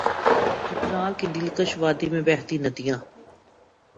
چترال کی دل کش وادی میں بہتی ندیاں